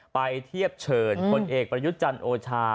ไปเทียบเฉินคนเอกบริยุจรรย์โอชา